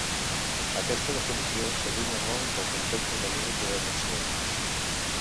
Aquesta definició s’allunya molt del concepte de límit de detecció.